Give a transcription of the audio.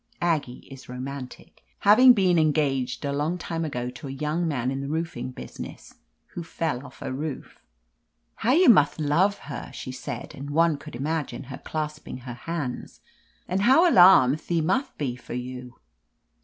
Aggie is romantic, having been en gaged a long time ago to a young man in the roofing business, who fell off a roof. ^^How you mutht love her!" she said, and one could imagine her clasping her hands. "And how alarmed the mutht be for you."